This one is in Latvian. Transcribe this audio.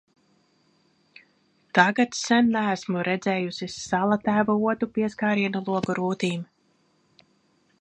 Tagad sen neesmu redzējusi Salatēva otu pieskārienu logu rūtīm.